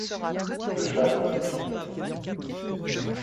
Le Chah put s’échapper.